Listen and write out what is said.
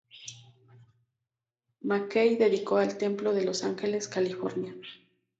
McKay dedicó el templo de Los Ángeles, California.